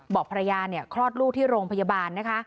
บอกภรรยาคลอดลูกที่โรงพยาบาลนะคะ